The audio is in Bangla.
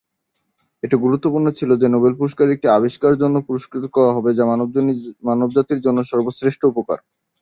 এটা গুরুত্বপূর্ণ ছিল যে নোবেল পুরস্কার একটি "আবিষ্কার" জন্য পুরস্কৃত করা হবে, যা "মানবজাতির জন্য সর্বশ্রেষ্ঠ উপকার"।